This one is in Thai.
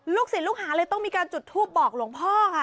ศิลปลูกหาเลยต้องมีการจุดทูปบอกหลวงพ่อค่ะ